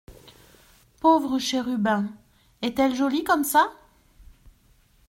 Pauvre chérubin !… est-elle jolie comme ça !…